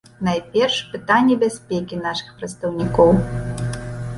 Найперш, пытанне бяспекі нашых прадстаўнікоў.